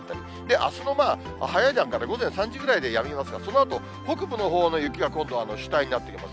あすの早い段階で、午前３時ぐらいでやみますが、そのあと、北部のほうの雪が今度は主体になってきます。